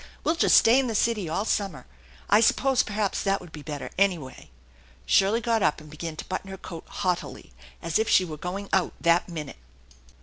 We'll just stay in the city all summer. I suppose perhaps that would be better, anyway." Shirley got up and began to button her coat haughtily, as if she were going out that minute.